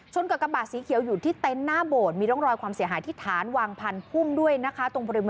กับกระบาดสีเขียวอยู่ที่เต็นต์หน้าโบสถ์มีร่องรอยความเสียหายที่ฐานวางพันธุมด้วยนะคะ